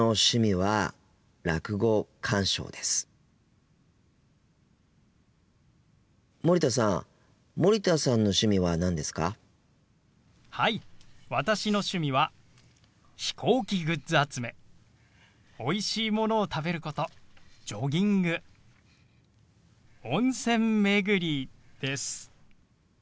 はい私の趣味は飛行機グッズ集めおいしいものを食べることジョギング温泉巡りです。